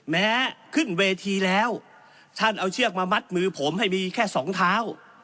แม้ขึ้นเวทีแล้วท่านเอาเชือกมามัดมือผมให้มีแค่สองเท้า